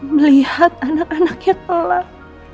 melihat anak anaknya telah